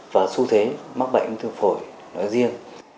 và xu thế mắc bệnh ung thư phổi nói riêng